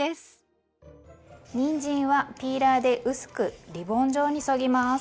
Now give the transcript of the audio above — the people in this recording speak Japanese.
にんじんはピーラーで薄くリボン状にそぎます。